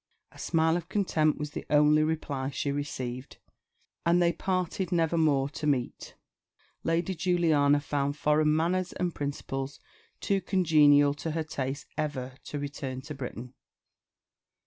A smile of contempt was the only reply she received, and they parted never more to meet. Lady Juliana found foreign manners and principles too congenial to her tastes ever to return to Britain.